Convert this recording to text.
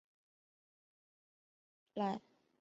赖恩镇区为美国堪萨斯州索姆奈县辖下的镇区。